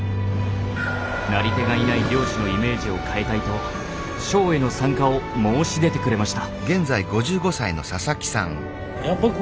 なり手がいない漁師のイメージを変えたいとショーへの参加を申し出てくれました。